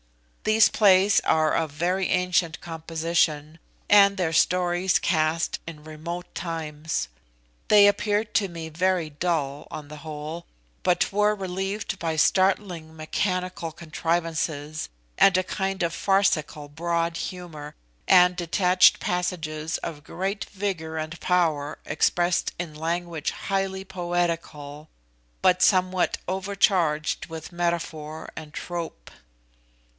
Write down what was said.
These plays are of very ancient composition, and their stories cast in remote times. They appeared to me very dull, on the whole, but were relieved by startling mechanical contrivances, and a kind of farcical broad humour, and detached passages of great vigour and power expressed in language highly poetical, but somewhat overcharged with metaphor and trope.